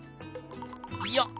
よっ！